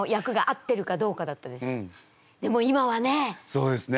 そうですね。